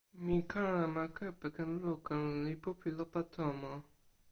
mi kalama kepeken luka lon lipu pi lupa tomo.